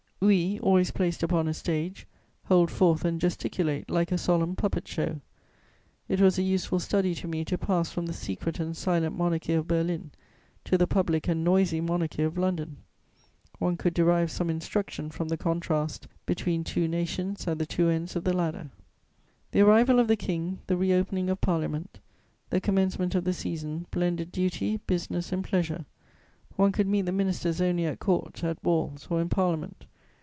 We, always placed upon a stage, hold forth and gesticulate like a solemn puppet show. It was a useful study to me to pass from the secret and silent monarchy of Berlin to the public and noisy monarchy of London: one could derive some instruction from the contrast between two nations at the two ends of the ladder. The arrival of the King, the re opening of Parliament, the commencement of the Season blended duty, business and pleasure: one could meet the ministers only at Court, at balls, or in Parliament.